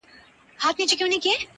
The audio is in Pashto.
تاوېدی له ډېره درده قهرېدلی-